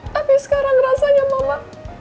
tapi sekarang rasanya mama